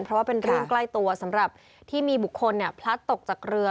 เพราะว่าเป็นเรื่องใกล้ตัวสำหรับที่มีบุคคลพลัดตกจากเรือ